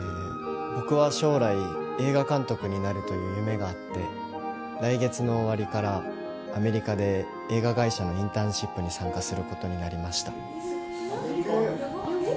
僕は将来映画監督になるという夢があって来月の終わりからアメリカで映画会社のインターンシップに参加することになりました